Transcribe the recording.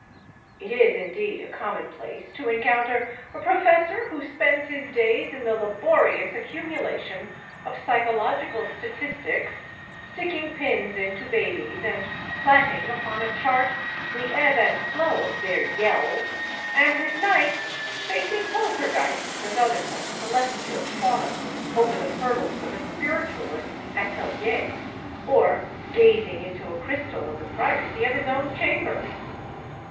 It is, indeed, a commonplace to encounter a professor who spends his days in the laborious accumulation of psychological statistics, sticking pins into babies and platting upon a chart the ebb and flow of their yells, and his nights chasing poltergeists and other such celestial fauna over the hurdles of a spiritualist's atelier, or gazing into a crystal in the privacy of his own chamber.